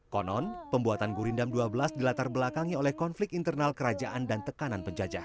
konon pembuatan gurindam dua belas dilatar belakangi oleh konflik internal kerajaan dan tekanan penjajah